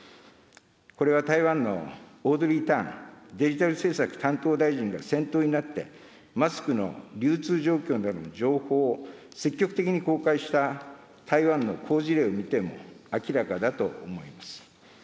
これは台湾のオードリー・タンデジタル政策担当大臣が先頭になって、マスクの流通状況などの情報を積極的に公開した台湾の好事例を見ても明らかだと思います。